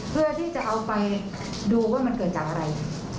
เพื่อที่จะเอาไปดูว่ามันเกิดจากอะไร